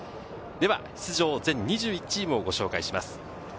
では出場全２１チームをご紹介します。